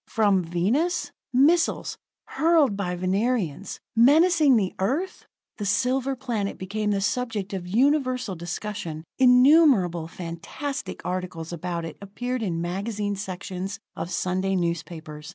From Venus! Missiles, hurled by Venerians, menacing the Earth! The silver planet became the subject of universal discussion; innumerable fantastic articles about it appeared in magazine sections of Sunday newspapers.